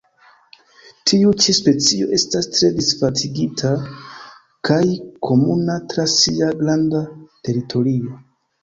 Tiu ĉi specio estas tre disvastigita kaj komuna tra sia granda teritorio.